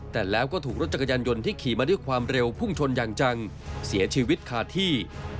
แต่แล้วก็ถูกรถจักรยานยนต์ที่ขี่มาด้วยความเร็วพุ่งชนอย่างจังเสียชีวิตขาดที่